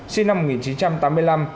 sinh năm một nghìn chín trăm tám mươi năm